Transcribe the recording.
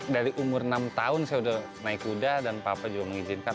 dari umur enam tahun saya sudah naik kuda dan papa juga mengizinkan